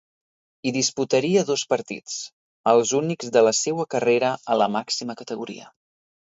Hi disputaria dos partits, els únics de la seua carrera a la màxima categoria.